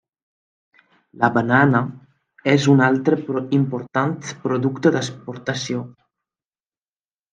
La banana és un altre important producte d'exportació.